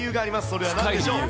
それはなんでしょう。